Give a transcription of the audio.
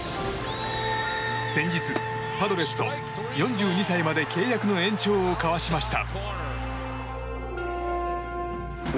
先日、パドレスと４２歳まで契約の延長を交わしました。